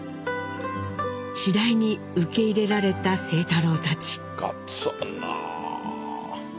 次第に受け入れられた清太郎たち。